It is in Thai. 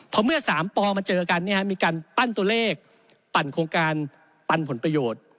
เพราะเมื่อ๓ปมาเจอกันมีการปั้นตัวเลขปั่นโครงการปั่นผลประโยชน์